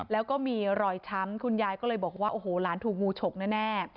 แล้วก็มีรอยช้ำคุณยายก็เลยบอกว่าโอ้โหหลานถูกงูฉกแน่